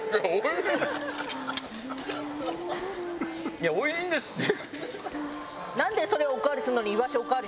いやおいしいんですって。